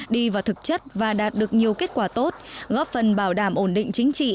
đi vào thực chất và đạt được nhiều kết quả tốt góp phần bảo đảm ổn định chính trị